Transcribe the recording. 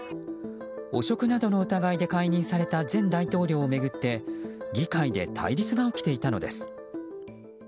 汚職などの疑いで解任された前大統領を巡って議会で対立が起きていたのです。